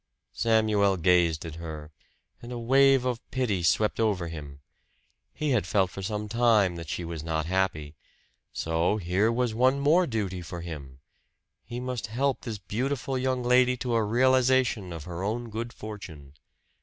Samuel gazed at her, and a wave of pity swept over him. He had felt for some time that she was not happy. So here was one more duty for him he must help this beautiful young lady to a realization of her own good fortune.